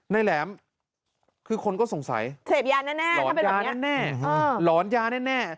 อืมแหลมคือคนก็สงสัยเศฟยาน่ะแน่ถ้าเป็นแบบเนี้ยหลอนยาน่ะแน่